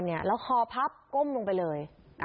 เนี่ยแล้วคอพับก้มลงไปเลย